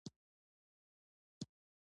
کله چې اولادونه د پيسو په لحاظ شتمن سي